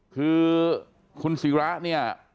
คือคุณศิระเนี่ย